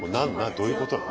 どういうことなの？